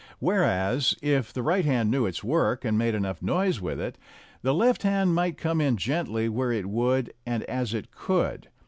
Whereas, if the right hand knew its work and made enough noise with it, the left hand might come in gently where it would and as it could.